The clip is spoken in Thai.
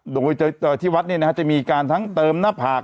โดยที่วัดนี่นะครับจะมีการทั้งเติมหน้าผาก